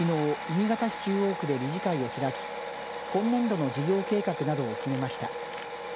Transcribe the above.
新潟市中央区で理事会を開き今年度の事業計画などを決めました。